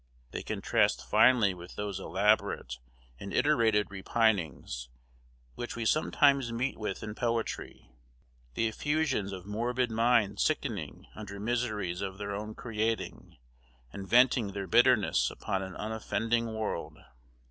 They contrast finely with those elaborate and iterated repinings which we sometimes meet with in poetry, the effusions of morbid minds sickening under miseries of their own creating, and venting their bitterness upon an unoffending world.